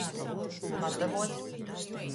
Matavuot.